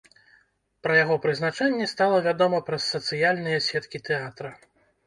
Пра яго прызначэнне стала вядома праз сацыяльныя сеткі тэатра.